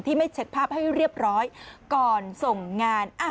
ไม่เช็คภาพให้เรียบร้อยก่อนส่งงาน